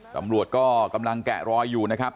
ตำรวจก็กำลังแกะรอยอยู่นะครับ